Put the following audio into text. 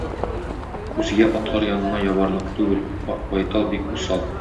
Үзгә атлар янына ябарлык түгел: Ак байтал бик усал.